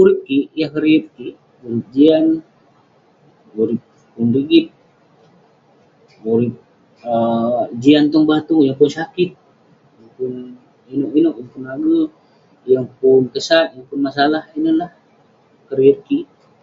Urip kik, yah keriet kik, urip jian, urip pun rigit, urip jian tong batung, yeng pun sakit. Yeng pun ineuk-ineuk. Yeng pun age. Yeng pen kesat. Yeng pun masalah. Ineh la keriet kik.